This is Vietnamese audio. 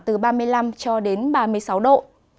từ ba mươi năm cho đến ba mươi sáu độ